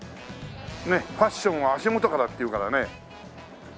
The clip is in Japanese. ファッションは足元からって言うからね。